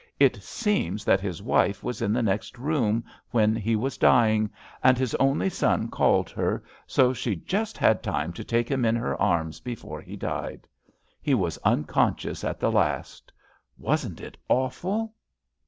It seems that his wife was in the next room when he was dying, and his only son called her, so she just had time to take him in her arms before he died. He was miconscious at the last. Wasn't it awful?